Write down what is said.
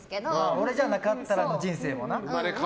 俺じゃなかったらの人生もな。